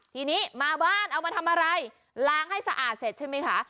ทีนี้มาบ้านเอามาทำอะไรล้างให้สะอาดเสร็จใช่ไหมคะ